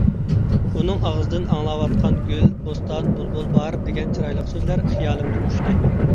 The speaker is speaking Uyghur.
ئۇنىڭ ئاغزىدىن ئاڭلاۋاتقان گۈل، بوستان، بۇلبۇل، باھار دېگەن چىرايلىق سۆزلەر خىيالىمدىن ئۇچتى.